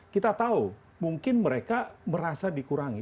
kita tahu mungkin mereka merasa dikurangi